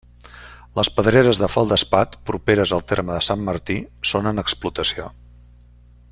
Les pedreres de feldespat, properes al terme de Sant Martí, són en explotació.